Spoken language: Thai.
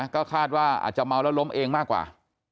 ก็คาดว่าอาจจะเมาแล้วล้มเองมากกว่า